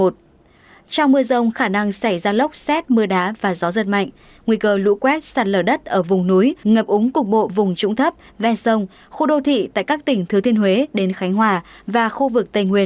trong mưa rông khả năng xảy ra lốc xét mưa đá và gió giật mạnh nguy cơ lũ quét sạt lở đất ở vùng núi ngập úng cục bộ vùng trũng thấp ven sông khu đô thị tại các tỉnh thừa thiên huế đến khánh hòa và khu vực tây nguyên